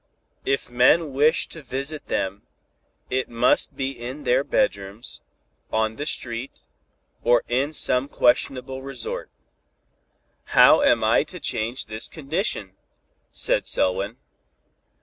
If men wish to visit them, it must needs be in their bedrooms, on the street, or in some questionable resort." "How am I to change this condition?" said Selwyn.